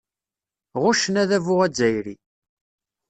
Ɣuccen adabu azzayri.